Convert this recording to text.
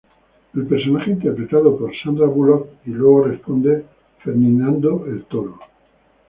El personaje interpretado por Sandra Bullock y luego responde: "Ferdinando el toro".